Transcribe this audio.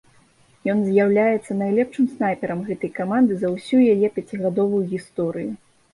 Ён з'яўляецца найлепшым снайперам гэтай каманды за ўсю яе пяцігадовую гісторыю.